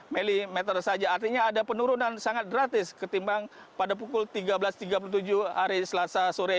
mm saja artinya ada penurunan sangat gratis ketimbang pada pukul tiga belas tiga puluh tujuh hari selasa sore